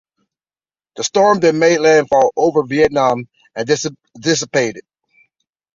The storm then made landfall over Vietnam and dissipated.